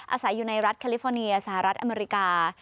อาศัยอยู่ในรัฐแคลิฟอร์เนียสหรัฐอเมริกา